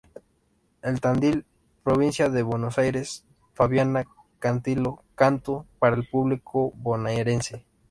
En Tandil, provincia de Buenos Aires, Fabiana Cantilo cantó para el público bonaerense.